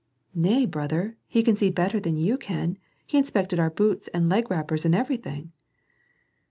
"Nay, brother, he can see better than you can, He inspected our boots and leg wrappers and everything."